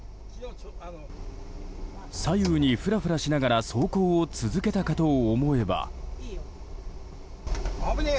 左右にフラフラしながら走行を続けたかと思えば。